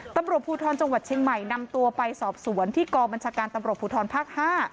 ตำรวจภูทรจังหวัดเชียงใหม่นำตัวไปสอบสวนที่กองบัญชาการตำรวจภูทรภาค๕